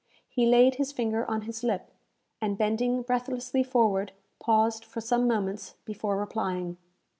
He laid his finger on his lip, and, bending breathlessly forward, paused for some moments before replying.